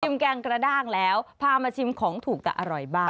แกงกระด้างแล้วพามาชิมของถูกแต่อร่อยบ้าง